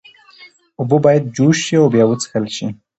اوبه باید جوش شي او بیا وڅښل شي۔